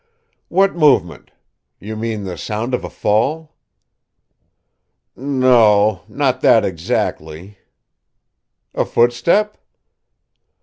"What movement? You mean the sound of a fall?" "No; not that exactly." "A footstep?"